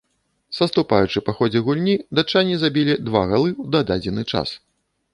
Саступаючы па ходзе гульні, датчане забілі два галы ў дададзены час.